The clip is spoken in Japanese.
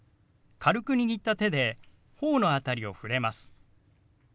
軽く握った手で頬の辺りを触れます。